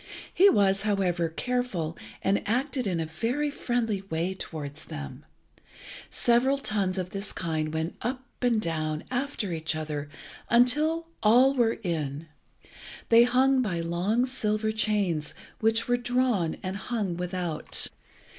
He was, however, careful, and acted in a very friendly way towards them. Several tuns of this kind went up and down after each other, until all were in. They hung by long silver chains, which were drawn and hung without.